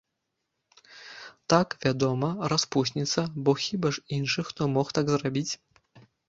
Так, вядома, распусніца, бо хіба ж іншы хто мог так зрабіць?